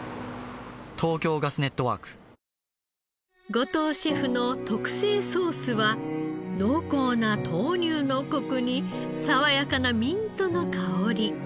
後藤シェフの特製ソースは濃厚な豆乳のコクに爽やかなミントの香り。